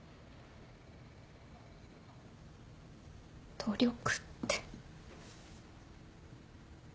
努力って。